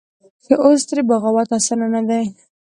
چې اوس ترې بغاوت اسانه نه دى.